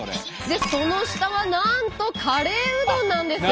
その下はなんとカレーうどんなんです。